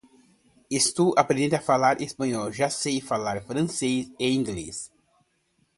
Estou aprendendo a falar espanhol, já sei falar francês e inglês.